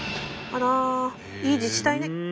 あらいい自治体ね。